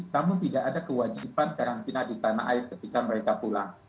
namun tidak ada kewajiban karantina di tanah air ketika mereka pulang